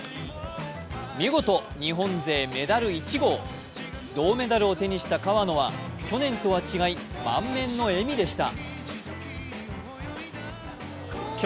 見事日本勢メダル１号、銅メダルを手にした川野は去年とは違い、満面の笑みでした。